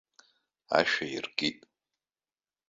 Ашә аиркит.